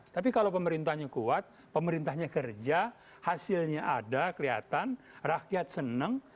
tapi kalau pemerintahnya kuat pemerintahnya kerja hasilnya ada kelihatan rakyat senang